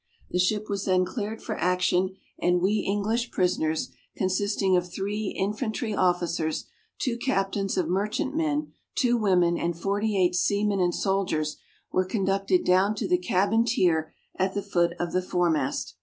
The ship was then cleared for action, and we English prisoners, consisting of three infantry officers, two captains of merchantmen, two women, and forty eight seamen and soldiers, were conducted down to the cabin tier at the foot of the fore mast.